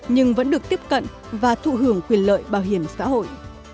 nhưng vẫn được tiếp cận và thụ hưởng quyền lợi bảo hiểm xã hội